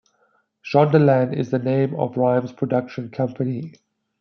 ShondaLand is the name of Rhimes's production company.